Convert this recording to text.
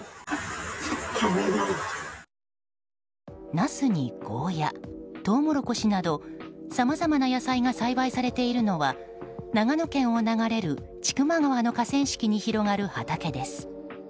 ナスにゴーヤトウモロコシなどさまざまな野菜が栽培されているのは長野県を流れる千曲川の河川敷に広がる畑です。